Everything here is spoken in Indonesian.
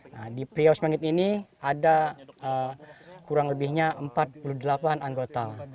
nah di priok semangit ini ada kurang lebihnya empat puluh delapan anggota